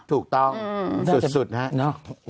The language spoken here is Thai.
ถูกต้องสุดนะครับ